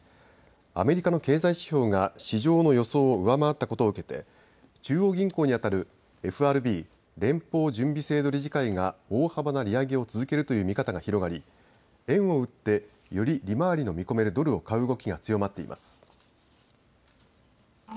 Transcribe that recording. アメリカの経済指標が市場の予想を上回ったことを受けて中央銀行にあたるＦＲＢ・連邦準備制度理事会が大幅な利上げを続けるという見方が広がり、円を売って、より利回りの見込めるドルを買う動きが強まっています。